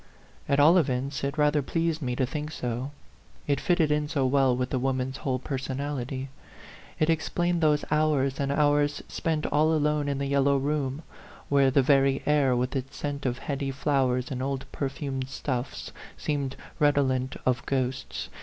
At all events, it rather pleased me to think so ; it fitted in so well with the wom an's whole personality; it explained those hours and hours spent all alone in the yel low room, where the very air, with its scent of heady flowers and old perfumed stuffs, seemed redolent of ghosts.